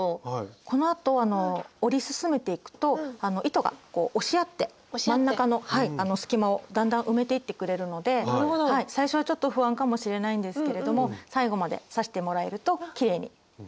このあと織り進めていくと糸がこう押し合って真ん中の隙間をだんだん埋めていってくれるので最初はちょっと不安かもしれないんですけれども最後まで刺してもらえるときれいにまとまります。